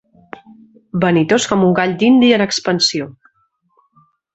Vanitós com un gall dindi en expansió.